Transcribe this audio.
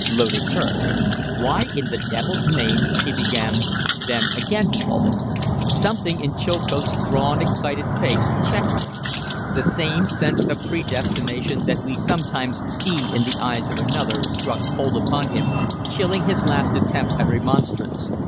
Loder turned. "Why in the devil's name " he began; then again he halted. Something in Chilcote's drawn, excited face checked him. The strange sense of predestination that we sometimes see in the eyes of another struck cold upon him, chilling his last attempt at remonstrance.